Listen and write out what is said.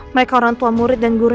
baik orang tua murid dan guru